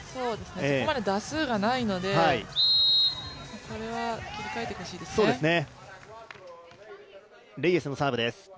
そこまで打数がないので、これは切り替えてほしいですね。